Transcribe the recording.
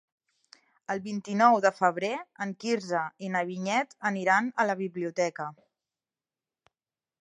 El vint-i-nou de febrer en Quirze i na Vinyet aniran a la biblioteca.